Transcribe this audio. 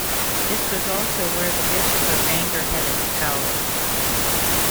This was also where the Bishop of Bangor had his palace.